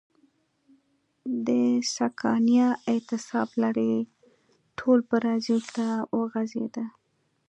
د سکانیا اعتصاب لړۍ ټول برازیل ته وغځېده.